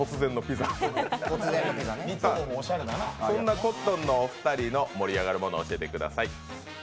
そんなコットンのお二人の盛り上がるもの教えてください。